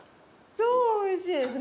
超おいしいです。